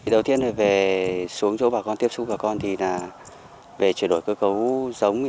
đầu tiên là về xuống chỗ bà con tiếp xúc bà con thì là về chuyển đổi cơ cấu giống